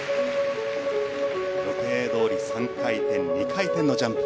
予定どおり３回転、２回転のジャンプ。